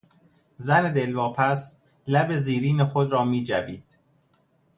زن دلواپس، لب زیرین خود را میجوید.